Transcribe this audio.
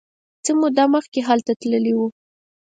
څه موده مخکې هلته تللی و.